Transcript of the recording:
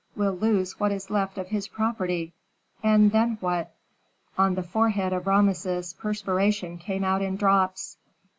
will lose what is left of his property, and then what?" On the forehead of Rameses perspiration came out in drops.